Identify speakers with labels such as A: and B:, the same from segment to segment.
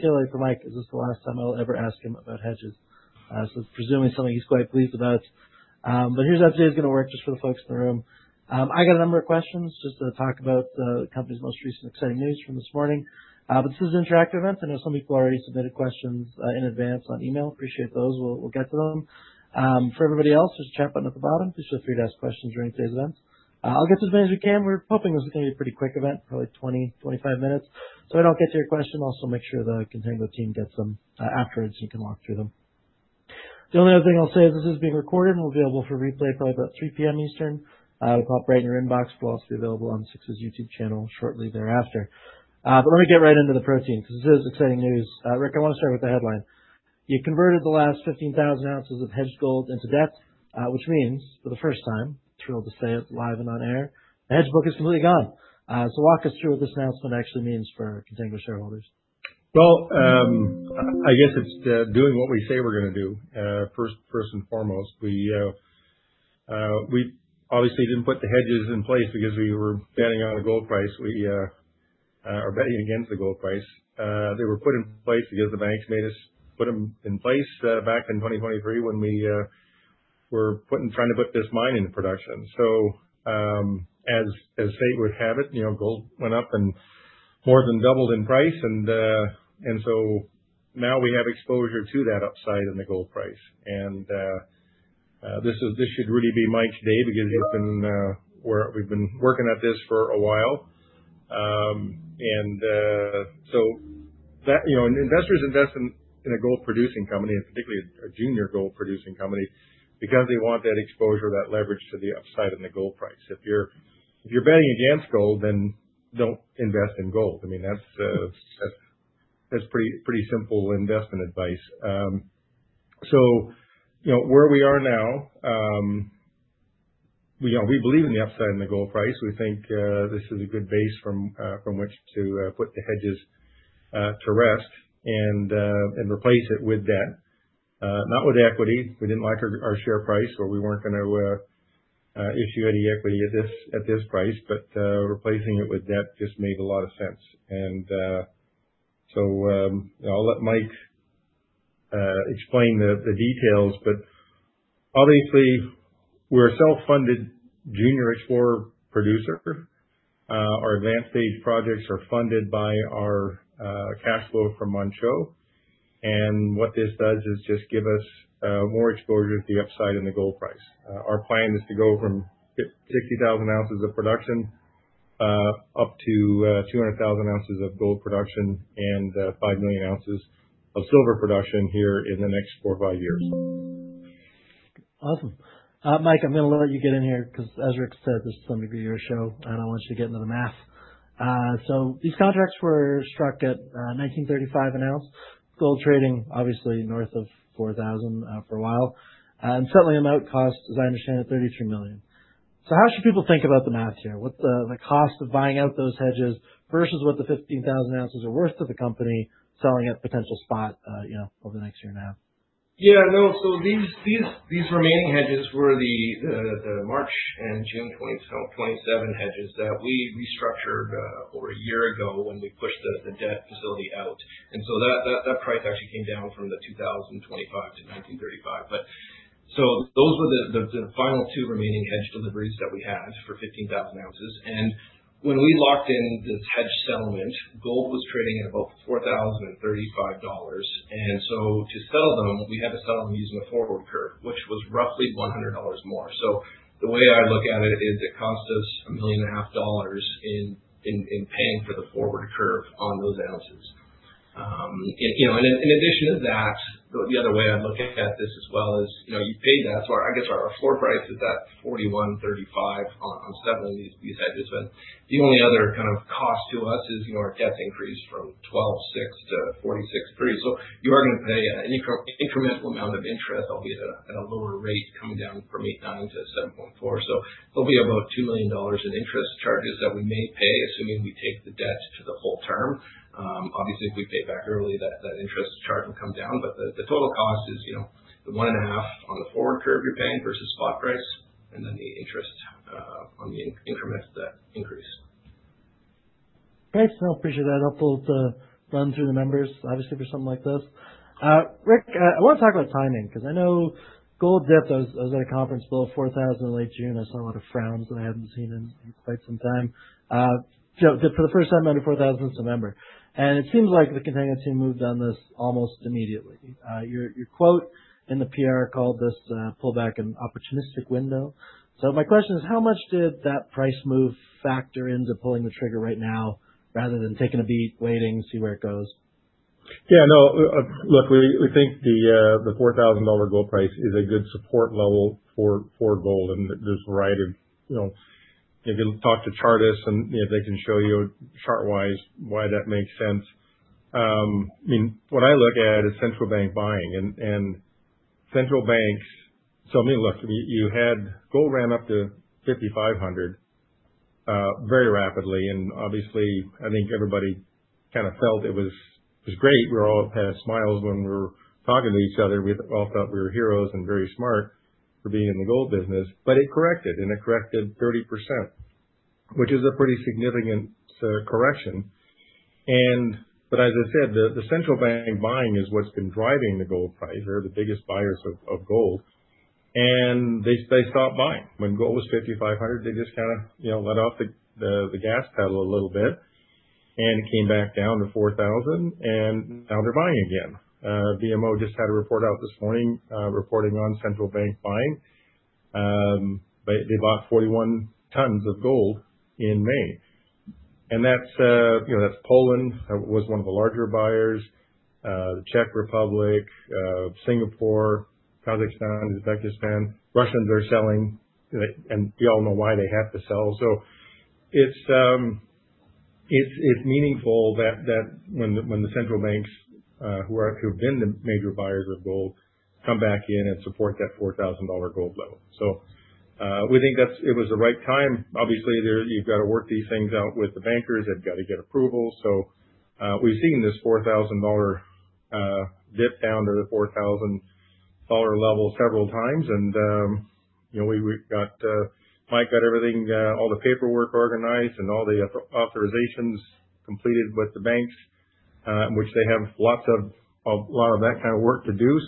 A: For Mike. Is this the last time I'll ever ask him about hedges? It's presumably something he's quite pleased about. Here's how today's going to work, just for the folks in the room. I got a number of questions just to talk about the company's most recent exciting news from this morning. This is an interactive event. I know some people already submitted questions in advance on email. Appreciate those. We'll get to them. For everybody else, there's a chat button at the bottom. Feel free to ask questions during today's event. I'll get to as many as we can. We're hoping this is going to be a pretty quick event, probably 20-25 minutes. If I don't get to your question, I'll also make sure the Contango team gets them afterwards so you can walk through them. The only other thing I'll say is this is being recorded and will be available for replay probably about 3:00 P.M. Eastern. It'll pop right in your inbox. It will also be available on 6ix's YouTube channel shortly thereafter. Let me get right into the protein because this is exciting news. Rick, I want to start with the headline. You converted the last 15,000 ounces of hedged gold into debt, which means, for the first time, thrilled to say it live and on air, the hedge book is completely gone. Walk us through what this announcement actually means for Contango shareholders.
B: Well, I guess it's doing what we say we're going to do, first and foremost. We obviously didn't put the hedges in place because we were betting on a gold price. We are betting against the gold price. They were put in place because the banks made us put them in place back in 2023 when we were trying to put this mine into production. As fate would have it, gold went up and more than doubled in price, now we have exposure to that upside in the gold price. This should really be Mike day because we've been working at this for a while. Investors invest in a gold-producing company, and particularly a junior gold-producing company, because they want that exposure, that leverage to the upside in the gold price. If you're betting against gold, then don't invest in gold. That's pretty simple investment advice. Where we are now, we believe in the upside in the gold price. We think this is a good base from which to put the hedges to rest and replace it with debt. Not with equity. We didn't like our share price or we weren't going to issue any equity at this price, but replacing it with debt just made a lot of sense. I'll let Mike explain the details, but obviously we're a self-funded junior explorer producer. Our advanced stage projects are funded by our cash flow from Manh Choh. What this does is just give us more exposure to the upside in the gold price. Our plan is to go from 60,000 ounces of production up to 200,000 ounces of gold production and 5 million ounces of silver production here in the next four or five years.
A: Awesome. Mike, I am going to let you get in here because as Rick said, this is going to be your show, and I want you to get into the math. These contracts were struck at $1,935 an ounce. Gold trading obviously north of $4,000 for a while. Certainly an out cost, as I understand it, $33 million. How should people think about the math here? What is the cost of buying out those hedges versus what the 15,000 ounces are worth to the company selling at potential spot over the next year and a half?
C: No. These remaining hedges were the March and June 27 hedges that we restructured over a year ago when we pushed the debt facility out. That price actually came down from the $2,025 to $1,935. Those were the final two remaining hedge deliveries that we had for 15,000 ounces. When we locked in this hedge settlement, gold was trading at about $4,035. To settle them, we had to settle them using a forward curve, which was roughly $100 more. The way I look at it is it cost us $1.5 million in paying for the forward curve on those ounces. In addition to that, the other way I am looking at this as well is you pay that. I guess our floor price is at $4,135 on seven of these hedges. The only other kind of cost to us is our debt increased from $12.6 million to $46.3 million. You are going to pay an incremental amount of interest, albeit at a lower rate coming down from 8.9% to 7.4%. It will be about $2 million in interest charges that we may pay assuming we take the debt to the whole term. Obviously, if we pay back early, that interest charge will come down. The total cost is the $1.5 million on the forward curve you are paying versus spot price and then the interest on the increments that increase.
A: Thanks, I appreciate that helpful to run through the numbers obviously for something like this. Rick, I want to talk about timing because I know gold dipped. I was at a conference below $4,000 in late June. I saw a lot of frowns that I had not seen in quite some time. For the first time under $4,000 since November. It seems like the Contango team moved on this almost immediately. Your quote in the PR called this pullback an opportunistic window. My question is, how much did that price move factor into pulling the trigger right now rather than taking a beat, waiting to see where it goes?
B: Yeah, no. Look, we think the $4,000 gold price is a good support level for gold. If you talk to chartists, they can show you chart wise why that makes sense. What I look at is central bank buying. Look, you had gold ran up to $5,500 very rapidly, and obviously, I think everybody kind of felt it was great. We all had smiles when we were talking to each other. We all felt we were heroes and very smart for being in the gold business. It corrected, and it corrected 30%. Which is a pretty significant correction. As I said, the central bank buying is what's been driving the gold price. They're the biggest buyers of gold, and they stopped buying. When gold was $5,500, they just let off the gas pedal a little bit and came back down to $4,000, and now they're buying again. BMO just had a report out this morning, reporting on central bank buying. They bought 41 tons of gold in May. Poland was one of the larger buyers, the Czech Republic, Singapore, Kazakhstan, Uzbekistan. Russians are selling, and we all know why they have to sell. It's meaningful that when the central banks, who have been the major buyers of gold, come back in and support that $4,000 gold level. We think it was the right time. Obviously, you've got to work these things out with the bankers. They've got to get approval. We've seen this $4,000 dip down to the $4,000 level several times. Mike got everything, all the paperwork organized and all the authorizations completed with the banks, which they have a lot of that kind of work to do.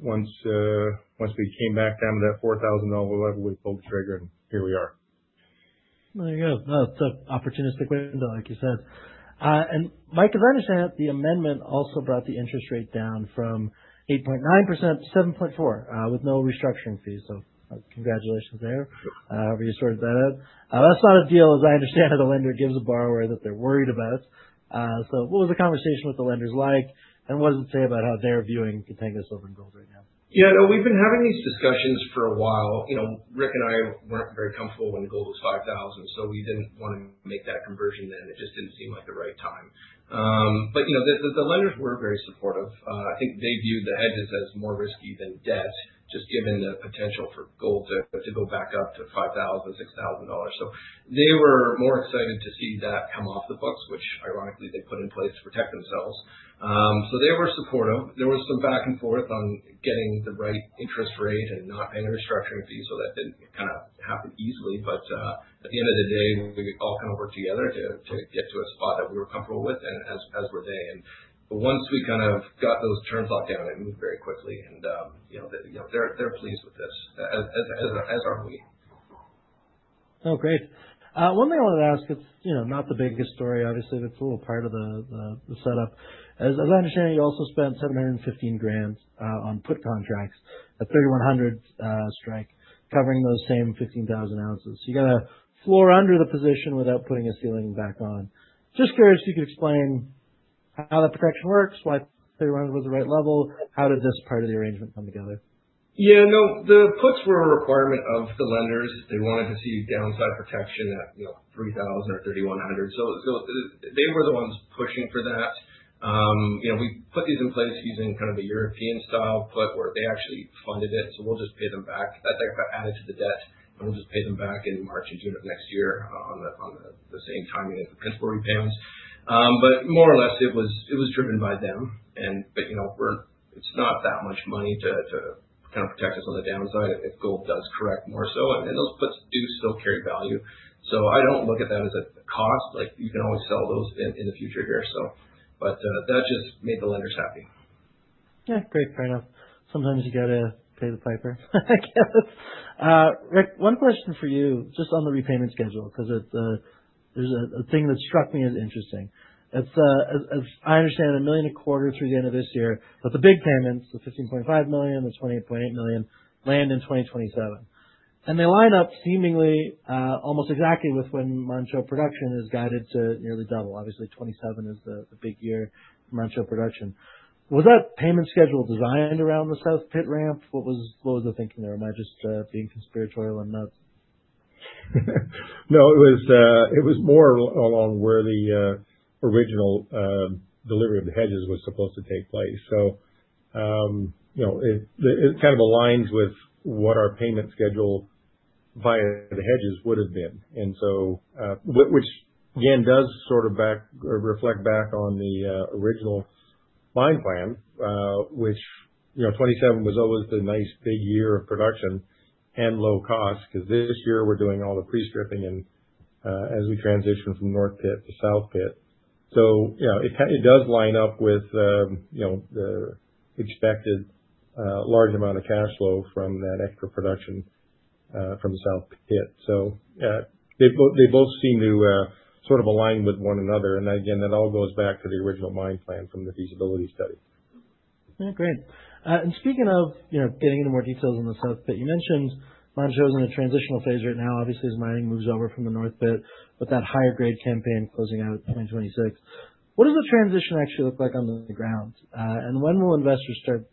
B: Once we came back down to that $4,000 level, we pulled the trigger, and here we are.
A: There you go. Well, it's an opportunistic window, like you said. Mike, as I understand it, the amendment also brought the interest rate down from 8.9% to 7.4%, with no restructuring fees. Congratulations there, however you sorted that out. That's not a deal, as I understand it, a lender gives a borrower that they're worried about. What was the conversation with the lenders like, and what does it say about how they're viewing Contango Silver & Gold right now?
C: We've been having these discussions for a while. Rick and I weren't very comfortable when gold was $5,000. We didn't want to make that conversion then. It just didn't seem like the right time. The lenders were very supportive. I think they viewed the hedges as more risky than debt, just given the potential for gold to go back up to $5,000, $6,000. They were more excited to see that come off the books, which ironically they put in place to protect themselves. They were supportive. There was some back and forth on getting the right interest rate and not any restructuring fees. That didn't happen easily. At the end of the day, we could all work together to get to a spot that we were comfortable with, and as were they. Once we got those terms locked down, it moved very quickly and they're pleased with this, as are we.
A: Great. One thing I wanted to ask, it's not the biggest story, obviously, but it's a little part of the setup. As I understand it, you also spent $715,000 on put contracts at $3,100 strike, covering those same 15,000 ounces. You got a floor under the position without putting a ceiling back on. Just curious if you could explain how that protection works, why $300 was the right level. How did this part of the arrangement come together?
C: The puts were a requirement of the lenders. They wanted to see downside protection at $3,000 or $3,100. They were the ones pushing for that. We put these in place using kind of a European style put where they actually funded it. We'll just pay them back. That got added to the debt, and we'll just pay them back in March and June of next year on the same timing as the principal repayments. More or less, it was driven by them. It's not that much money to protect us on the downside if gold does correct more so, and those puts do still carry value. I don't look at that as a cost. You can always sell those in the future here. That just made the lenders happy.
A: Yeah. Great. Fair enough. Sometimes you got to pay the piper, I guess. Rick, one question for you just on the repayment schedule, because there's a thing that struck me as interesting. As I understand it, $1 million a quarter through the end of this year, but the big payments, the $15.5 million, the $28.8 million, land in 2027. They line up seemingly almost exactly with when Manh Choh production is guided to nearly double. Obviously, 2027 is the big year Manh Choh production. Was that payment schedule designed around the south pit ramp? What was the thinking there? Am I just being conspiratorial? I'm not.
B: No, it was more along where the original delivery of the hedges was supposed to take place. It aligns with what our payment schedule via the hedges would have been. Which again, does sort of reflect back on the original mine plan, which 2027 was always the nice big year of production and low cost, because this year we're doing all the pre-stripping as we transition from north pit to south pit. It does line up with the expected large amount of cash flow from that extra production, from south pit. They both seem to sort of align with one another, and again, that all goes back to the original mine plan from the feasibility study.
A: Great. Speaking of getting into more details on the south pit, you mentioned Manh Choh's in a transitional phase right now, obviously, as mining moves over from the north pit, with that higher grade campaign closing out in 2026. What does the transition actually look like on the ground? When will investors start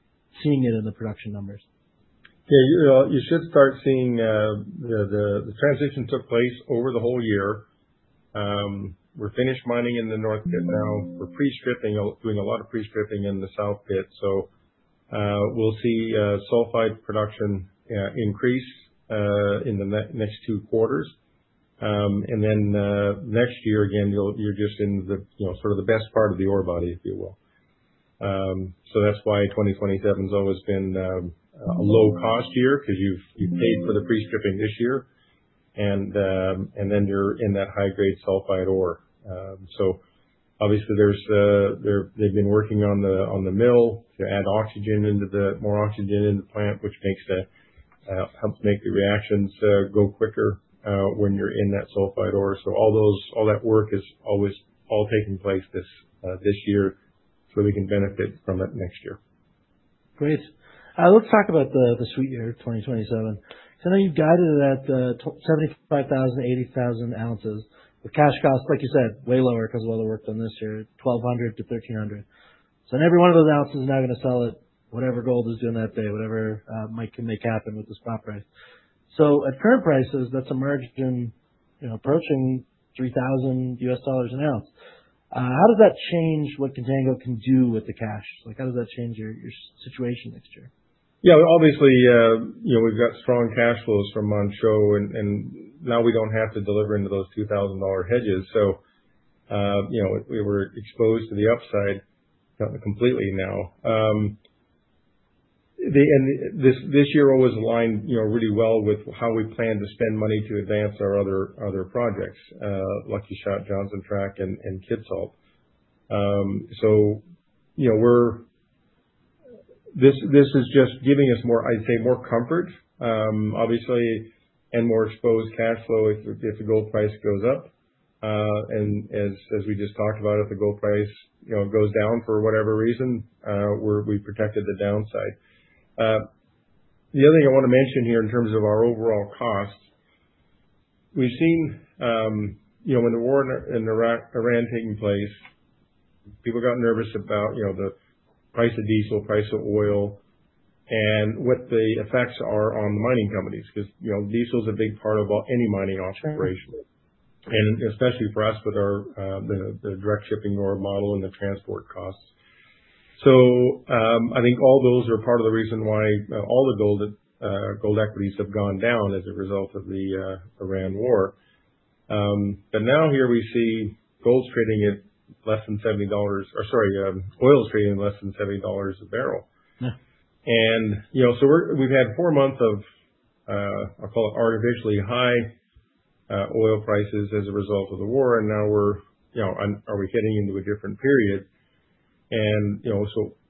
A: seeing it in the production numbers?
B: The transition took place over the whole year. We're finished mining in the north pit now. We're pre-stripping, doing a lot of pre-stripping in the south pit. We'll see sulfide production increase in the next two quarters. Next year, again, you're just in the sort of the best part of the ore body, if you will. That's why 2027 has always been a low cost year, because you've paid for the pre-stripping this year, and then you're in that high grade sulfide ore. Obviously they've been working on the mill to add more oxygen in the plant, which helps make the reactions go quicker when you're in that sulfide ore. All that work is always taking place this year, so we can benefit from it next year.
A: Great. Let's talk about the sweet year, 2027. Now you've guided it at 75,000, 80,000 ounces with cash cost, like you said, way lower because of all the work done this year, $1,200-$1,300. Every one of those ounces is now going to sell at whatever gold is doing that day, whatever Mike can make happen with the spot price. At current prices, that's a margin approaching $3,000 an ounce. How does that change what Contango can do with the cash? How does that change your situation next year?
B: Yeah, obviously, we've got strong cash flows from Manh Choh, and now we don't have to deliver into those $2,000 hedges. We were exposed to the upside completely now. This year always aligned really well with how we plan to spend money to advance our other projects, Lucky Shot, Johnson Tract and Kitsault. This is just giving us, I'd say, more comfort, obviously, and more exposed cash flow if the gold price goes up, and as we just talked about, if the gold price goes down for whatever reason, we've protected the downside. The other thing I want to mention here in terms of our overall cost, we've seen, when the war in Iran taking place, people got nervous about the price of diesel, price of oil, and what the effects are on the mining companies, because diesel is a big part of any mining operation.
A: Sure.
B: Especially for us with the direct shipping ore model and the transport costs. I think all those are part of the reason why all the gold equities have gone down as a result of the Iran war. Now here we see gold trading at less than $70, or sorry, oil trading less than $70 a barrel.
A: Yeah.
B: We've had four months of, I'll call it artificially high oil prices as a result of the war, and now are we getting into a different period?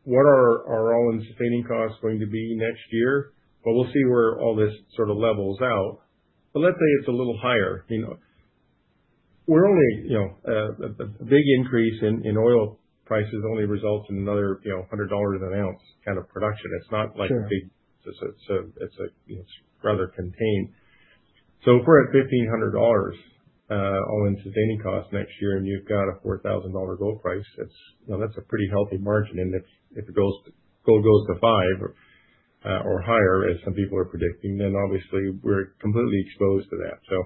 B: What are all-in sustaining costs going to be next year? We'll see where all this sort of levels out. Let's say it's a little higher. The big increase in oil prices only results in another $100 an ounce kind of production.
A: Sure.
B: It's rather contained. If we're at $1,500 all-in sustaining costs next year, you've got a $4,000 gold price, that's a pretty healthy margin. If gold goes to $5,000 or higher, as some people are predicting, obviously we're completely exposed to that.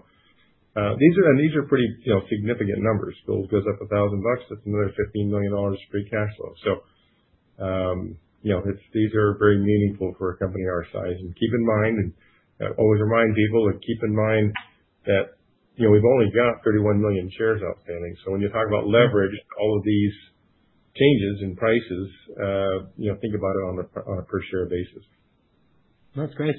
B: These are pretty significant numbers. Gold goes up $1,000 bucks, that's another $15 million free cash flow. These are very meaningful for a company our size. Keep in mind, I always remind people to keep in mind that we've only got 31 million shares outstanding, when you talk about leverage, all of these changes in prices, think about it on a per share basis.
A: That's great.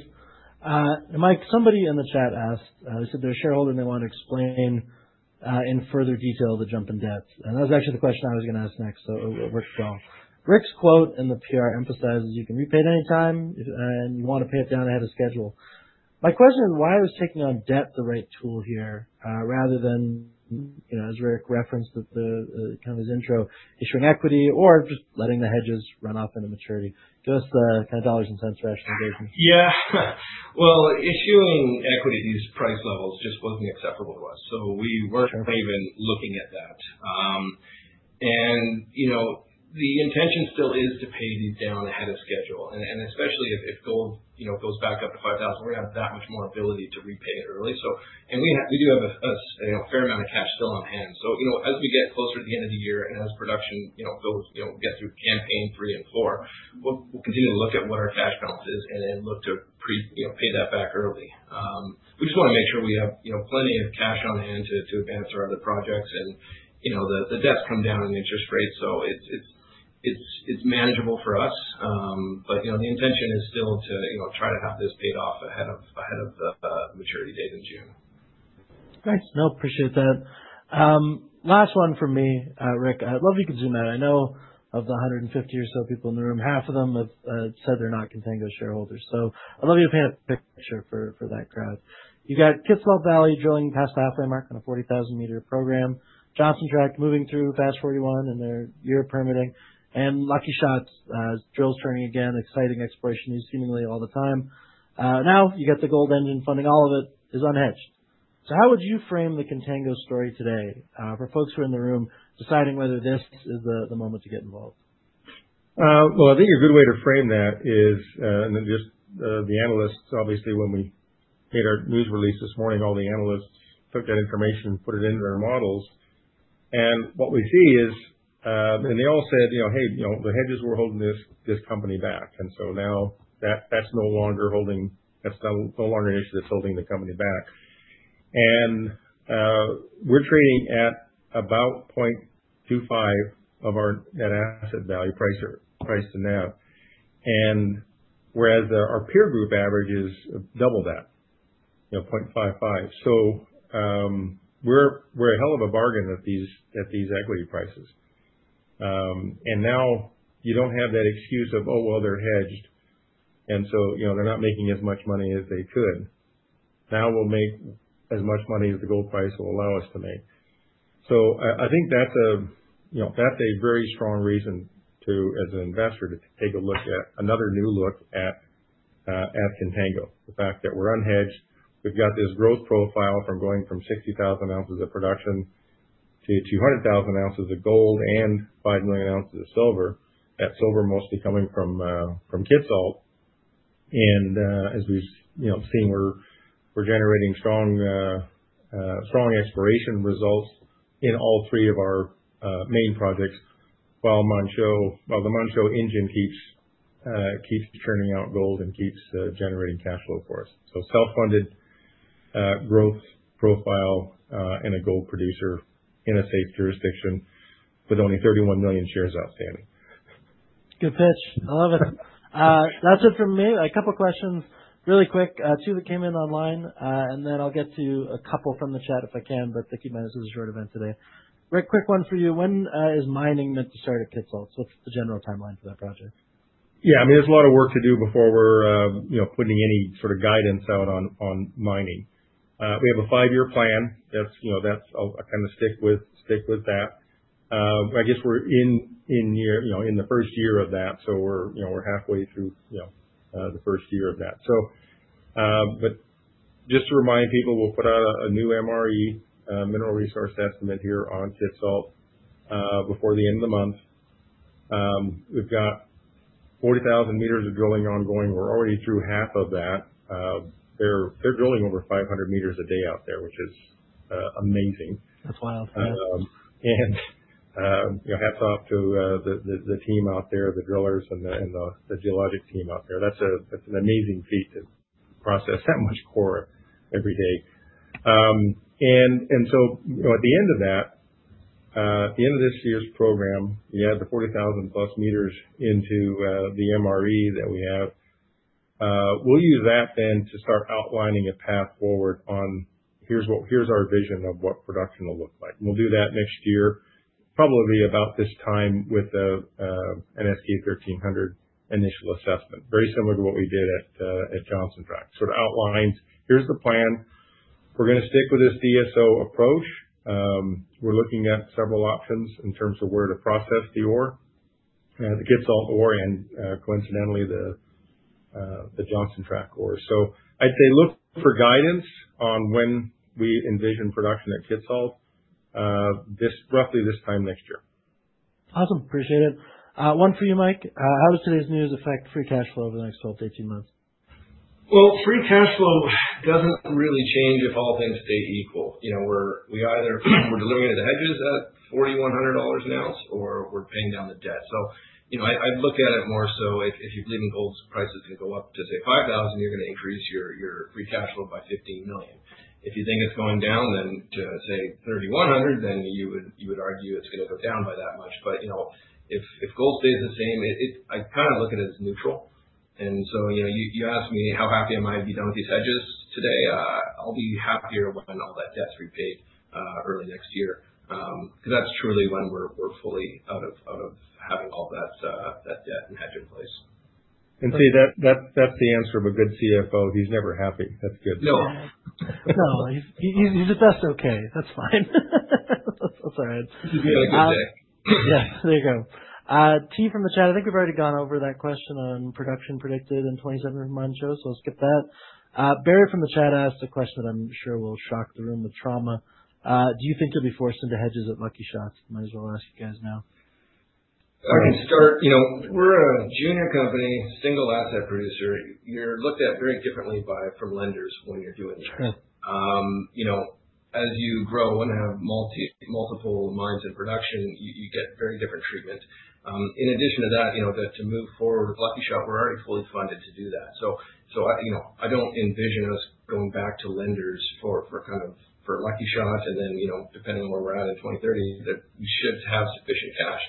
A: Mike, somebody in the chat asked, they said they're a shareholder and they want to explain in further detail the jump in depth. That was actually the question I was going to ask next, it works well. Rick's quote in the PR emphasizes you can repay it anytime, you want to pay it down ahead of schedule. My question is why was taking on debt the right tool here rather than, as Rick referenced at the kind of his intro, issuing equity or just letting the hedges run off into maturity? Just the kind of dollars and cents rationalization.
C: Well, issuing equity at these price levels just wasn't acceptable to us, we weren't even looking at that. The intention still is to pay these down ahead of schedule. Especially if gold goes back up to $5,000, we're going to have that much more ability to repay it early. We do have a fair amount of cash still on hand. As we get closer to the end of the year, as production goes through campaign three and four, we'll continue to look at what our cash balance is then look to pay that back early. We just want to make sure we have plenty of cash on hand to advance our other projects, the debt's come down on the interest rate, it's manageable for us. The intention is still to try to have this paid off ahead of the maturity date in June.
A: Great. No, appreciate that. Last one from me. Rick, I'd love you to zoom out. I know of the 150 or so people in the room, half of them have said they're not Contango shareholders. I'd love you to paint a picture for that crowd. You got Kitsault Valley drilling past the halfway mark on a 40,000 m program, Johnson Tract moving through FAST-41 and their year of permitting, and Lucky Shot drills turning again, exciting exploration news seemingly all the time. Now you got the gold engine funding, all of it is unhedged. How would you frame the Contango story today for folks who are in the room deciding whether this is the moment to get involved?
B: Well, I think a good way to frame that is, and just the analysts, obviously, when we made our news release this morning, all the analysts took that information and put it into their models. What we see is, and they all said, "Hey, the hedges were holding this company back." Now that's no longer an issue that's holding the company back. We're trading at about 0.25 of our net asset value price to NAV. Whereas our peer group average is double that, 0.55. We're a hell of a bargain at these equity prices. Now you don't have that excuse of, "Oh, well, they're hedged, and so they're not making as much money as they could." Now we'll make as much money as the gold price will allow us to make. I think that's a very strong reason to, as an investor, to take another new look at Contango. The fact that we're unhedged, we've got this growth profile from going from 60,000 ounces of production to 200,000 ounces of gold and 5 million ounces of silver. That silver mostly coming from Kitsault. As we've seen, we're generating strong exploration results in all three of our main projects while the Manh Choh engine keeps churning out gold and keeps generating cash flow for us. Self-funded growth profile and a gold producer in a safe jurisdiction with only 31 million shares outstanding.
A: Good pitch. I love it. That's it for me. A couple of questions really quick, two that came in online, and then I'll get to a couple from the chat if I can, but thank you, guys. This is a short event today. Rick, quick one for you. When is mining meant to start at Kitsault? What's the general timeline for that project?
B: There's a lot of work to do before we're putting any sort of guidance out on mining. We have a five-year plan. I'll kind of stick with that. I guess we're in the first year of that, so we're halfway through the first year of that. Just to remind people, we'll put out a new MRE, mineral resource estimate, here on Kitsault, before the end of the month. We've got 40,000 m of drilling ongoing. We're already through half of that. They're drilling over 500 m a day out there, which is amazing.
A: That's wild. Yes.
B: Hats off to the team out there, the drillers and the geologic team out there. That's an amazing feat to process that much core every day. At the end of that, the end of this year's program, you add the 40,000+ m into the MRE that we have. We'll use that then to start outlining a path forward on here's our vision of what production will look like. We'll do that next year, probably about this time with an S-K 1300 Initial Assessments, very similar to what we did at Johnson Tract. It outlines, here's the plan. We're going to stick with this DSO approach. We're looking at several options in terms of where to process the ore, the Kitsault ore and coincidentally, the Johnson Tract ore. I'd say look for guidance on when we envision production at Kitsault roughly this time next year.
A: Awesome. Appreciate it. One for you, Mike. How does today's news affect free cash flow over the next 12-18 months?
C: Well, free cash flow doesn't really change if all things stay equal. We either we're delivering the hedges at $4,100 an ounce or we're paying down the debt. I'd look at it more so if you believe gold prices are going to go up to, say, $5,000, you're going to increase your free cash flow by $15 million. If you think it's going down to, say, $3,100, you would argue it's going to go down by that much. If gold stays the same, I kind of look at it as neutral. You asked me how happy I might be done with these hedges today. I'll be happier when all that debt's repaid early next year. That's truly when we're fully out of having all that debt and hedge in place.
B: See, that's the answer of a good CFO. He's never happy. That's good.
C: No.
A: No. That's okay. That's fine. That's all right.
C: He's been having a good day.
A: Yes. There you go. T from the chat, I think we've already gone over that question on production predicted in 2027 for Manh Choh, so I'll skip that. Barry from the chat asked a question that I'm sure will shock the room with trauma. Do you think you'll be forced into hedges at Lucky Shot? Might as well ask you guys now.
C: I can start. We're a junior company, single asset producer. You're looked at very differently from lenders when you're doing that.
A: Sure.
C: As you grow and have multiple mines in production, you get very different treatment. In addition to that, to move forward with Lucky Shot, we're already fully funded to do that. I don't envision us going back to lenders for Lucky Shot, depending on where we're at in 2030, we should have sufficient cash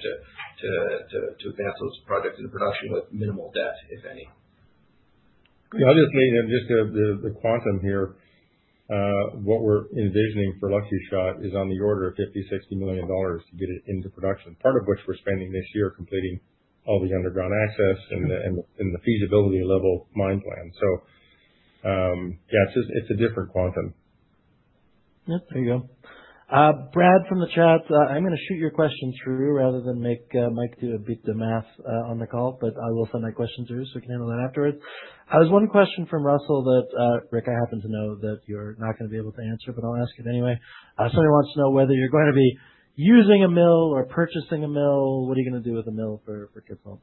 C: to advance those projects into production with minimal debt, if any.
B: Honestly, just the quantum here, what we're envisioning for Lucky Shot is on the order of $50 million, $60 million to get it into production. Part of which we're spending this year completing all the underground access and the feasibility level mine plan. Yeah, it's a different quantum.
A: Yeah. There you go. Brad from the chat, I'm going to shoot your question through rather than make Mike do a bit of math on the call, but I will send that question through so we can handle that afterwards. There's one question from Russell that, Rick, I happen to know that you're not going to be able to answer, but I'll ask it anyway. Somebody wants to know whether you're going to be using a mill or purchasing a mill. What are you going to do with a mill for Kitsault?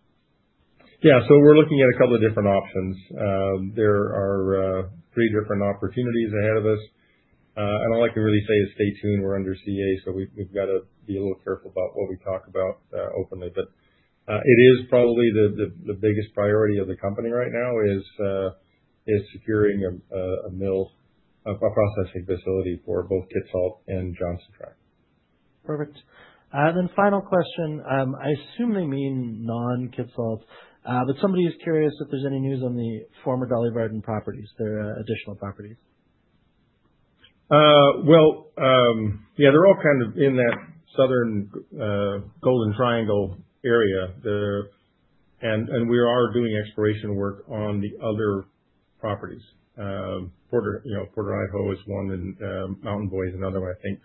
B: Yeah, we're looking at a couple of different options. There are three different opportunities ahead of us. All I can really say is stay tuned. We're under CA, we've got to be a little careful about what we talk about openly. It is probably the biggest priority of the company right now is securing a mill, a processing facility for both Kitsault and Johnson Tract.
A: Perfect. Final question. I assume they mean non-Kitsault. Somebody is curious if there's any news on the former Dolly Varden properties, their additional properties.
B: Well, yeah, they're all kind of in that southern golden triangle area. We are doing exploration work on the other properties. Porter Idaho is one, and Mountain Boy is another, I think.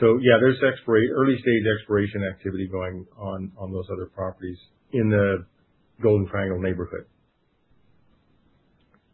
B: Yeah, there's early-stage exploration activity going on those other properties in the golden triangle neighborhood.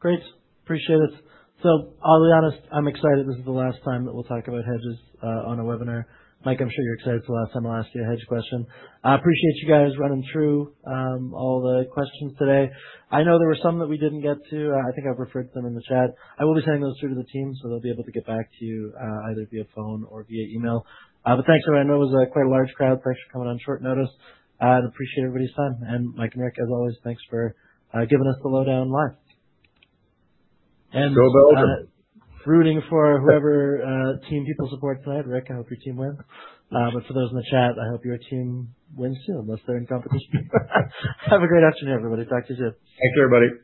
A: Great. Appreciate it. I'll be honest, I'm excited this is the last time that we'll talk about hedges on a webinar. Mike, I'm sure you're excited it's the last time I'll ask you a hedge question. I appreciate you guys running through all the questions today. I know there were some that we didn't get to. I think I've referred them in the chat. I will be sending those through to the team, so they'll be able to get back to you, either via phone or via email. Thanks, everyone. I know it was quite a large crowd. Thanks for coming on short notice, and appreciate everybody's time. Mike and Rick, as always, thanks for giving us the lowdown live.
B: Go, [Velvet].
A: Rooting for whoever team people support tonight. Rick, I hope your team wins. For those in the chat, I hope your team wins, too, unless they're in competition. Have a great afternoon, everybody. Talk to you soon.
B: Thanks, everybody.